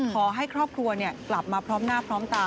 ขอให้ครอบครัวกลับมาพร้อมหน้าพร้อมตา